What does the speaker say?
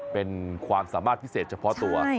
เป็นความสามารถพิเศษเฉพาะตัว